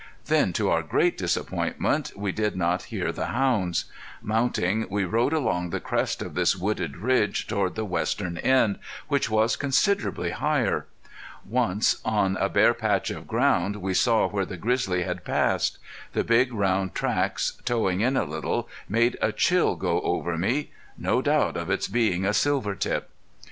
Then to our great disappointment we did not hear the hounds. Mounting we rode along the crest of this wooded ridge toward the western end, which was considerably higher. Once on a bare patch of ground we saw where the grizzly had passed. The big, round tracks, toeing in a little, made a chill go over me. No doubt of its being a silvertip!